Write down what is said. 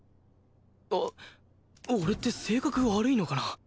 あっ俺って性格悪いのかな？